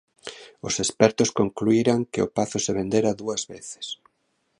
Os expertos concluíran que o pazo se vendera dúas veces.